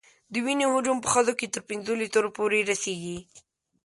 د وینې حجم په ښځو کې تر پنځو لیترو پورې رسېږي.